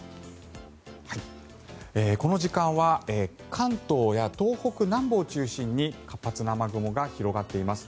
この時間は関東や東北南部を中心に活発な雨雲が広がっています。